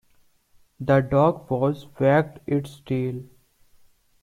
The dog was wagged its tail.